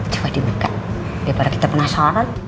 coba dibuka biar pada kita penasaran